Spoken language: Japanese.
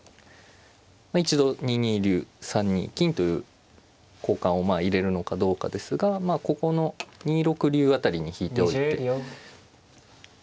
一度２二竜３二金という交換を入れるのかどうかですがここの２六竜辺りに引いておいて。